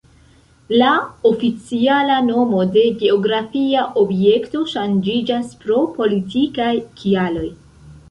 La oficiala nomo de geografia objekto ŝanĝiĝas pro politikaj kialoj.